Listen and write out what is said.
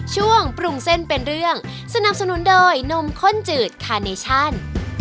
ช่วงปรุงเส้นเป็นเรื่องสนับสนุนโดยนมข้นจืดคาเนชั่น